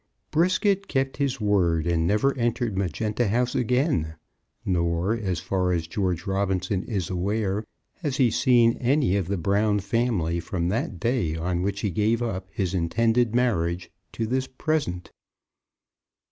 Brisket kept his word, and never entered Magenta House again, nor, as far as George Robinson is aware, has he seen any of the Brown family from that day on which he gave up his intended marriage to this present.